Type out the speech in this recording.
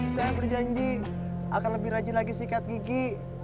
saya berjanji akan lebih rajin lagi sikat gigi